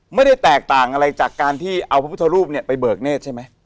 ไม่ได้แตกต่างอะไรจากการที่เอาพระพุทธรูปเนี่ยไปเบิกเนธใช่ไหม